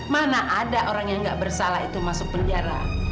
mana ada orang yang nggak bersalah itu masuk penjara